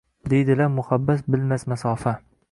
Deydilar: muhabbat bilmas masofa